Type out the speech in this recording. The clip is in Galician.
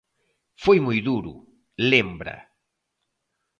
"Foi moi duro", lembra.